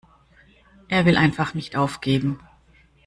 Er will einfach nicht aufgeben.